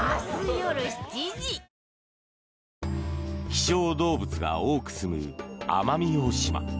希少動物が多くすむ奄美大島。